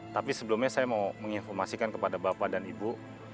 tapi sebelumnya saya mau menginformasikan kepada bapak dan ibu